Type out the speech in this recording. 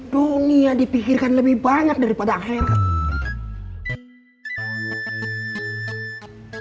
dunia dipikirkan lebih banyak daripada akhirnya